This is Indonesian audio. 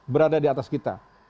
berada di atas kita